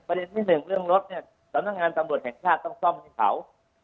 ที่หนึ่งเรื่องรถเนี่ยสำนักงานตำรวจแห่งชาติต้องซ่อมให้เขา